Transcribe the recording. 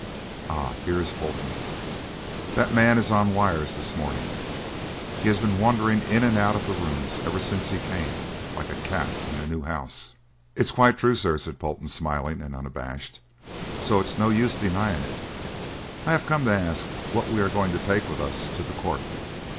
Ah, here is Polton that man is on wires this morning; he has been wandering in and out of the rooms ever since he came, like a cat in a new house." "It's quite true, sir," said Polton, smiling and unabashed, "so it's no use denying it. I have come to ask what we are going to take with us to the court."